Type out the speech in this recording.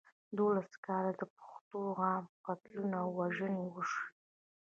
دولس کاله د پښتنو عام قتلونه او وژنې وشوې.